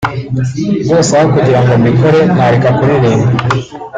rwose aho kugira ngo mbikore nareka kuririmba